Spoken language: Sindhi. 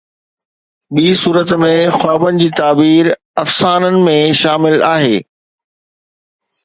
ٻي صورت ۾، خوابن جي تعبير افسانن ۾ شامل آهن